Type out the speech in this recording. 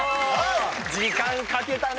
時間かけたね。